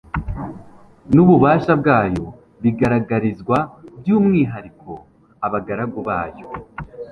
nububasha bwayo bigaragarizwa byumwihariko abagaragu bayo